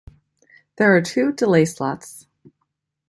There are two delay slots.